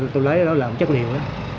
tôi lấy đó làm chất liệu